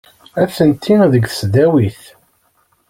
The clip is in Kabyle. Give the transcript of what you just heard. Atenti deg tesdawit.